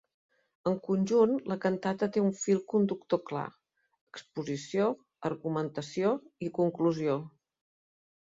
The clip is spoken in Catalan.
En conjunt, la cantata té un fil conductor clar: exposició, argumentació i conclusió.